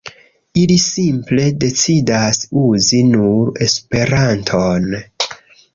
Ili simple decidas uzi nur Esperanton.